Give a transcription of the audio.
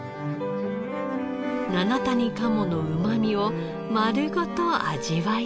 七谷鴨のうまみを丸ごと味わい尽くすひと皿。